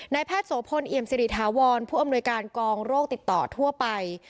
แพทย์โสพลเอี่ยมสิริถาวรผู้อำนวยการกองโรคติดต่อทั่วไป